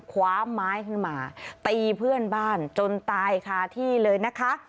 คว้าไม้ขึ้นมาตีเพื่อนบ้านจนตายคาที่เลยนะคะ